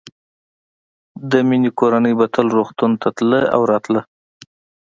د مينې کورنۍ به تل روغتون ته تله او راتله